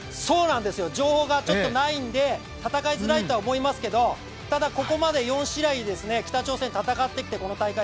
情報がちょっとないので、戦いづらいとは思いますけどただ、ここまで４試合、この大会